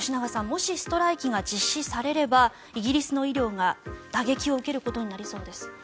もしストライキが実施されればイギリスの医療が打撃を受けることになりそうです。